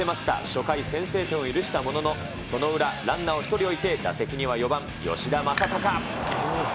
初回、先制点を許したものの、その裏、ランナーを１人置いて打席には４番吉田正尚。